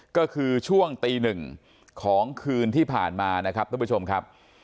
ก็คือช่วงตีหนึ่งของคืนที่ผ่านมานะครับท่านผู้ชมครับ